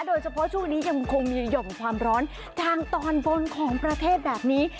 โดยเฉพาะช่วงนี้ยังคงมีห่อมความร้อนทางตอนบนของประเทศแบบนี้